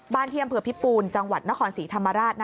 บ้านเทียมเผื่อพิพูนจังหวัดนครศรีธรรมราช